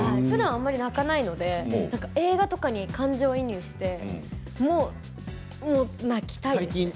ふだんあんまり泣かないので映画とかに感情移入して泣きたいです。